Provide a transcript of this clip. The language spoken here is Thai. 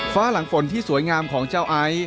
หลังฝนที่สวยงามของเจ้าไอซ์